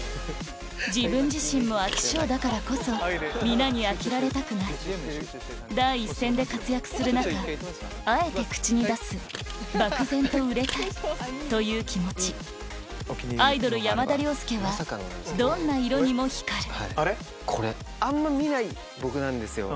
自分自身も飽き性だからこそ皆に飽きられたくない第一線で活躍する中あえて口に出す「漠然と売れたい」という気持ちアイドル山田涼介はどんな色にも光るこれあんま見ない僕なんですよ。